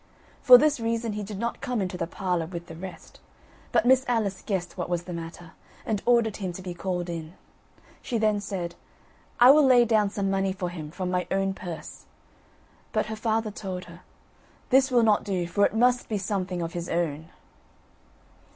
For this reason he did not come into the parlour with the rest; but Miss Alice guessed what was the matter, and ordered him to be called in. She then said: "I will lay down some money for him, from my own purse;" but her father told her: "This will not do, for it must be something of his own."